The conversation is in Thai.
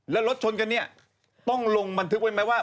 แล้วรถชนกันเนี่ยต้องลงบันทึกไว้ไหมว่า